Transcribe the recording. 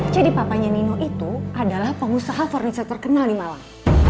jadi papanya nino itu adalah pengusaha furniture terkenal di malang